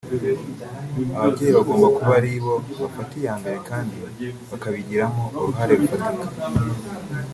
ababyeyi bagombye kuba ari bo bafata iya mbere kandi bakabigiramo uruhare rufatika